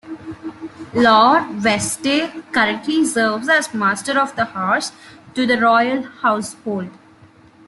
Lord Vestey currently serves as Master of the Horse to the Royal Household.